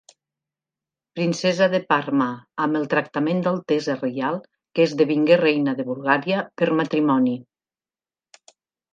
Princesa de Parma amb el tractament d'altesa reial que esdevingué reina de Bulgària per matrimoni.